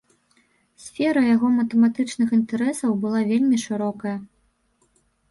Сфера яго матэматычных інтарэсаў была вельмі шырокая.